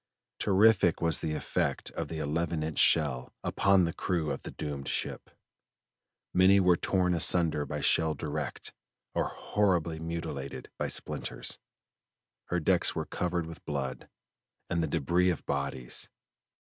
Terrific was the effect of the eleven inch shell upon the crew of the doomed ship: many were torn asunder by shell direct, or horribly mutilated by splinters. Her decks were covered with blood and the debris of bodies.